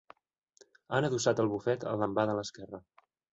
Han adossat el bufet a l'envà de l'esquerra.